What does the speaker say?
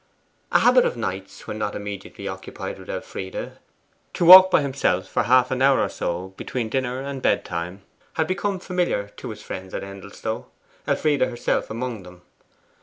A habit of Knight's, when not immediately occupied with Elfride to walk by himself for half an hour or so between dinner and bedtime had become familiar to his friends at Endelstow, Elfride herself among them.